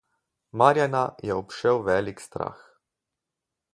Marjana je obšel velik strah.